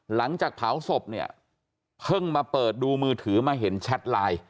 หลังจากเผาศพเนี่ยเพิ่งมาเปิดดูมือถือมาเห็นแชทไลน์